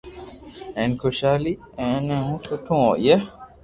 ھين خوݾالي آئئي ھين سٺو ھوئي